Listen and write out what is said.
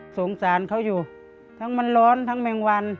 สงสารเขาอยู่ทั้งมันร้อนทั้งแมงวัน